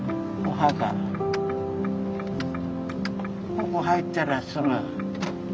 ここ入ったらすぐ。